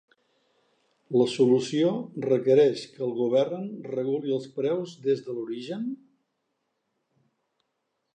La solució requereix que el govern reguli els preus des de l’origen?